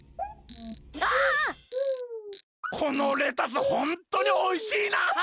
このレタスホントにおいしいなあ！